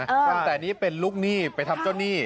ตั้งแต่นี้เป็นลูกหนี้ไปทำเจ้าหนี้